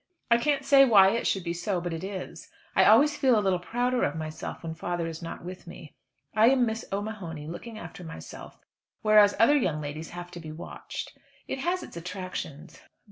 I can't say why it should be so, but it is. I always feel a little prouder of myself when father is not with me. I am Miss O'Mahony, looking after myself, whereas other young ladies have to be watched. It has its attractions.